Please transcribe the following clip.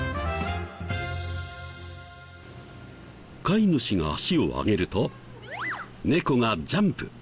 飼い主が足を上げると猫がジャンプ。